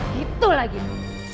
gitu lagi bu